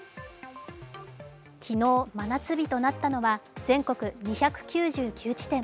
昨日、真夏日となったのは全国２９９地点。